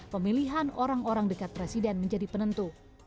pemilihan orang orang dekat presiden menjadi penentu